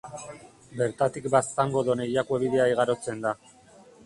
Bertatik Baztango Done Jakue bidea igarotzen da.